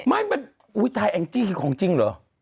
ไม่เป็นอุ้ยตายแอ๊กจี้ของจริงหรอ